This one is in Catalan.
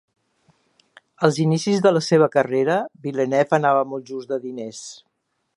Als inicis de la seva carrera, Villeneuve anava molt just de diners.